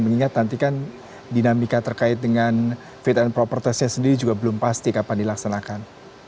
mengingat nanti kan dinamika terkait dengan fit and proper testnya sendiri juga belum pasti kapan dilaksanakan